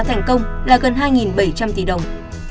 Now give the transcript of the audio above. thành công là gần hai bảy trăm linh tỷ đồng